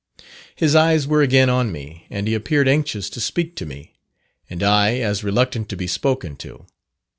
His eyes were again on me, and he appeared anxious to speak to me, and I as reluctant to be spoken to.